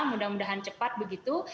mudah mudahan cepat begitu